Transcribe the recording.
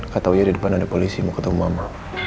katanya di depan ada polisi mau ketemu mama